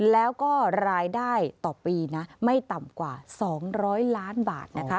แล้วก็รายได้ต่อปีนะไม่ต่ำกว่า๒๐๐ล้านบาทนะคะ